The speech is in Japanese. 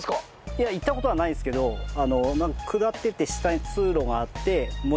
いや行った事はないんですけど下っていって下に通路があってもう一回地上に上る。